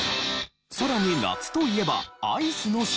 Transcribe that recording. さらに夏といえばアイスのＣＭ。